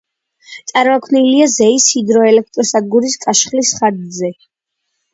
წარმოქმნილია ზეის ჰიდროელექტროსადგურის კაშხლის ხარჯზე.